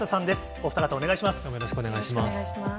お二方、お願いします。